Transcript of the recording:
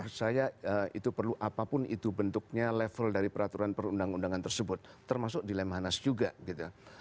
menurut saya itu perlu apapun itu bentuknya level dari peraturan perundang undangan tersebut termasuk di lemhanas juga gitu